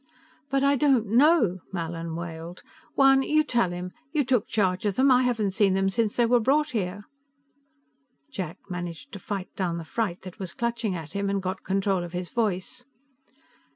"But I don't know!" Mallin wailed. "Juan, you tell him; you took charge of them. I haven't seen them since they were brought here." Jack managed to fight down the fright that was clutching at him and got control of his voice.